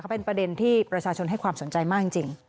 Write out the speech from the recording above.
เป็นประเด็นที่ประชาชนให้ความสนใจมากจริง